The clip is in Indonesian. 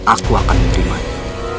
aku akan menerimanya